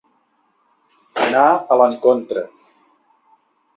Anar a l'encontre.